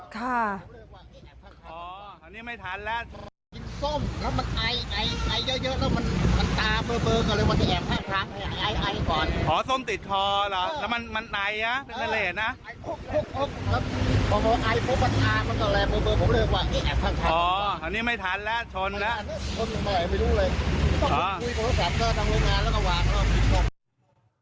อ๋อทางนี้ไม่ทันแล้วชนแล้ว